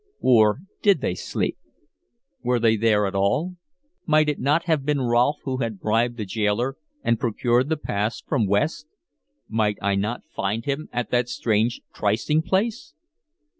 Or did they sleep? Were they there at all? Might it not have been Rolfe who had bribed the gaoler and procured the pass from West? Might I not find him at that strange trysting place?